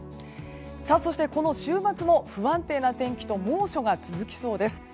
そして、週末も不安定な天気と猛暑が続きそうです。